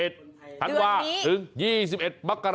๑เดือนเต็ม